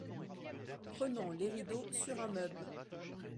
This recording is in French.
Prenant les rideaux sur un meuble.